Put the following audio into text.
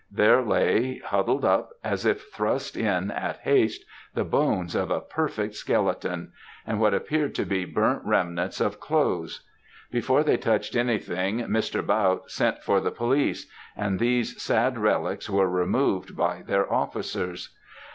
There lay, huddled up, as if thrust in in haste, the bones of a perfect skeleton, and what appeared to be burnt remnants of clothes. Before they touched anything, Mr. Bautte sent for the police, and these sad relics were removed by their officers.